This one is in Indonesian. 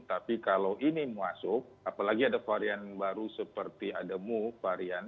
tapi kalau ini masuk apalagi ada varian baru seperti ademu varian